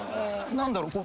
何だろう？